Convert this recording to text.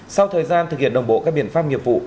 sau thời gian thực hiện đồng bộ các biện pháp nghiệp vụ